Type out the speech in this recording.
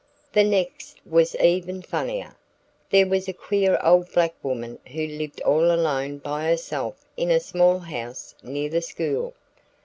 The next was even funnier. There was a queer old black woman who lived all alone by herself in a small house near the school.